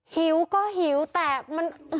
หิวก็หิวแต่มัน